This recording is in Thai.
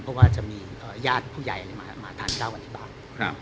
เพราะว่าจะมีญาติผู้ใหญ่มาทานเก้าวันนี้บ้าง